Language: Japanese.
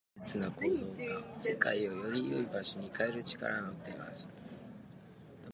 親切な行動が、世界をより良い場所に変える力を持っています。